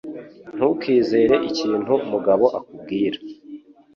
Ntukizere ikintu Mugabo akubwira